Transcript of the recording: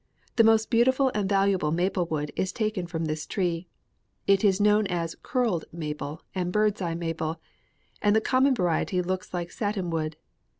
The most beautiful and valuable maple wood is taken from this tree. It is known as 'curled maple' and 'bird's eye maple,' and the common variety looks like satin wood.